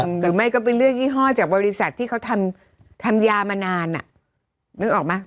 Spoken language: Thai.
หรือไม่ก็ไปเลือกยี่ห้อจากบริษัทที่เขาทำทำยามานานอ่ะนึกออกไหม